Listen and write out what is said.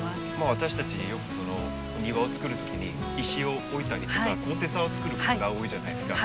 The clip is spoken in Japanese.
私たちよく庭をつくる時に石を置いたりとか高低差を作ることが多いじゃないですか。